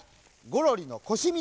ゴロリのこしみの。